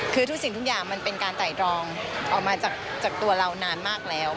คือทุกสิ่งทุกอย่างมันเป็นการไต่ตรองออกมาจากตัวเรานานมากแล้ว